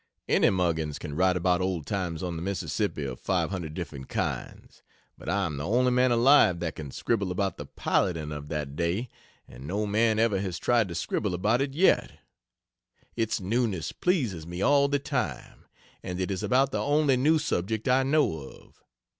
Any muggins can write about Old Times on the Miss. of 500 different kinds, but I am the only man alive that can scribble about the piloting of that day and no man ever has tried to scribble about it yet. Its newness pleases me all the time and it is about the only new subject I know of.